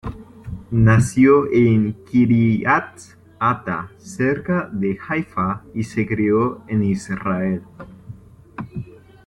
Nació en Kiryat Atta, cerca de Haifa, y se crio en Israel.